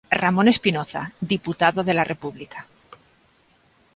Ramón Espinoza, diputado de la República.